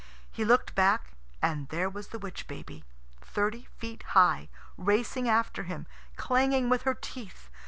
He looked back, and there was the witch baby, thirty feet high, racing after him, clanging with her teeth.